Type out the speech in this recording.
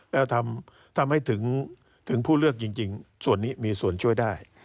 แล้วทำให้ถึงผู้เลือกจริงส่วนนี้มีส่วนช่วยได้